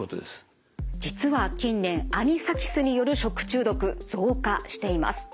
実は近年アニサキスによる食中毒増加しています。